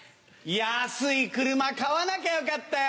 安い車買わなきゃよかったよ。